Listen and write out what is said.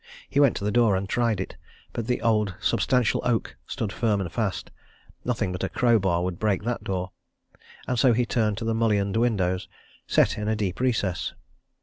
He went to the door and tried it. But the old, substantial oak stood firm and fast nothing but a crow bar would break that door. And so he turned to the mullioned window, set in a deep recess.